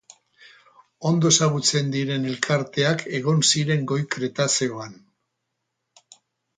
Ondo ezagutzen diren elkarteak egon ziren Goi Kretazeoan.